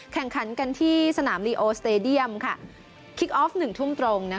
แข่งขันกันที่สนามลีโอสเตดียมคิกออฟ๑ทุ่มตรง